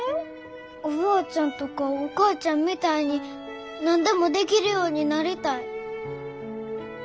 おばあちゃんとかお母ちゃんみたいに何でもできるようになりたい。